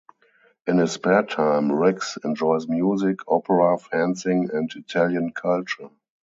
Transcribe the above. In his spare time, Rix enjoys music, opera, fencing and Italian culture.